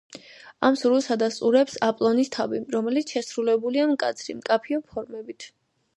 ამ სურვილს ადასტურებს „აპოლონის თავი“, რომელიც შესრულებულია მკაცრი, მკაფიო ფორმებით.